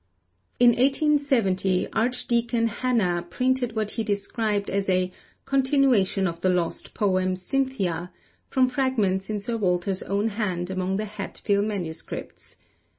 In 1870 Archdeacon Hannah printed what he described as a 'continuation of the lost poem, Cynthia,' from fragments in Sir Walter's own hand among the Hatfield MSS.